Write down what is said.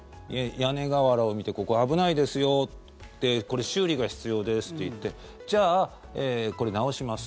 屋根瓦を見てここ、危ないですよってこれ、修理が必要ですと言ってじゃあ、これ直します。